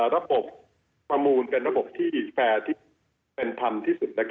ระบบประมูลเป็นระบบที่แฟร์ที่เป็นธรรมที่สุด